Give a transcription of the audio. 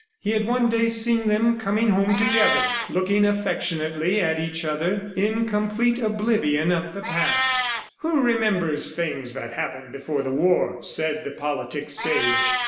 He had one day seen them coming home together, looking affectionately at each other, in complete oblivion of the past. "Who remembers things that happened before the war," said the politic sage.